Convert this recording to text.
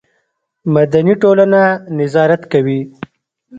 مدني ټولنه نظارت کوي